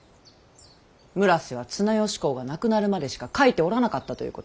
村瀬は綱吉公が亡くなるまでしか書いておらなかったということか。